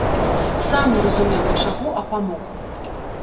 Сам не разумеў для чаго, а памог.